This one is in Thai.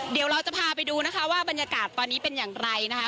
เดี๋ยวเราจะพาไปดูนะคะว่าบรรยากาศตอนนี้เป็นอย่างไรนะคะ